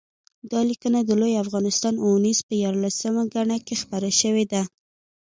دا لیکنه د لوی افغانستان اوونیزې په یارلسمه ګڼه کې خپره شوې ده